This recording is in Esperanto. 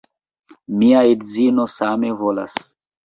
Mia edzino same volas.